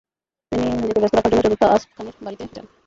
তিনি নিজেকে ব্যস্ত রাখার জন্য চতুর্থ আসফ খানের বাড়িতে যান।